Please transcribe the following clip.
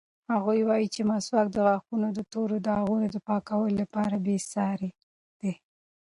هغه وایي چې مسواک د غاښونو د تورو داغونو د پاکولو لپاره بېساری دی.